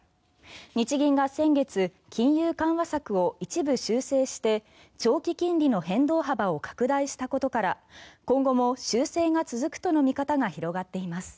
日銀が先月、金融緩和策を一部修正して長期金利の変動幅を拡大したことから今後も修正が続くとの見方が広がっています。